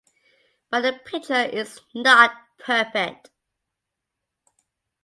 But the picture is not perfect.